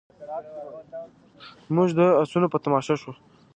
موږ د اسونو په تماشه شوو.